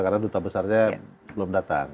karena duta besarnya belum datang